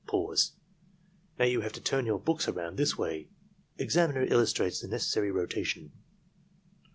"Now you have to turn your books around this way." (Examiner illustrates the necessary rota tion.)